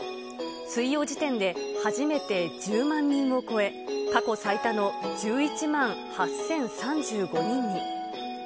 水曜時点で初めて１０万人を超え、過去最多の１１万８０３５人に。